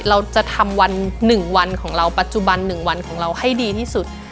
เราจะทำวัน๑วันของเราปัจจุบัน๑วันของเราให้ดีที่สุด